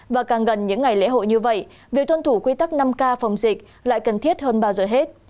và càng gần những ngày lễ hội như vậy việc tuân thủ quy tắc năm k phòng dịch lại cần thiết hơn bao giờ hết